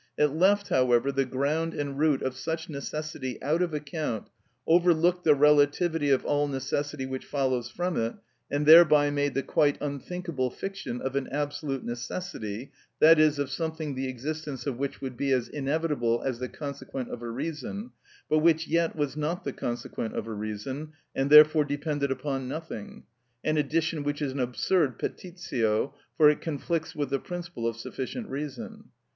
It left, however, the ground and root of such necessity out of account, overlooked the relativity of all necessity which follows from it, and thereby made the quite unthinkable fiction of an absolute necessity, i.e., of something the existence of which would be as inevitable as the consequent of a reason, but which yet was not the consequent of a reason, and therefore depended upon nothing; an addition which is an absurd petitio, for it conflicts with the principle of sufficient reason.